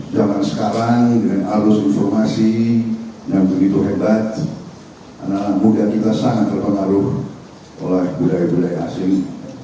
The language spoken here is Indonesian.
jalan sekarang dengan alus informasi yang begitu hebat karena budaya kita sangat terpenaruh oleh budaya budaya asing